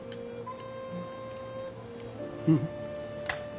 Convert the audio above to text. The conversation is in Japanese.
うん。